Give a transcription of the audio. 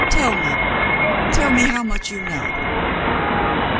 "Tell me, tell me how much you know."